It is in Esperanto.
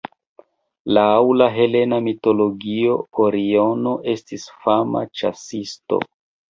Laŭ la helena mitologio Oriono estis fama ĉasisto.